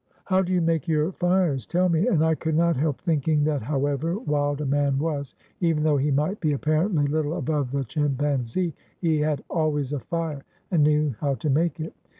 "How do you make your fires? tell me." And I could not help thinking that, however wild a man was, even though he might be apparently little above the chim panzee, he had always a fire, and knew how to make it.